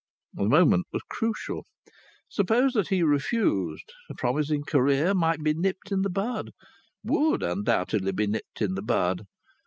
The moment was crucial. Supposing that he refused a promising career might be nipped in the bud; would, undoubtedly, be nipped in the bud.